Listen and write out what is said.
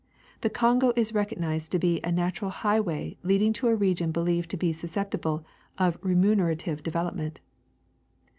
The Kongo is recognized to be a natural highway leading to a region believed to be susceptible of remunerative development.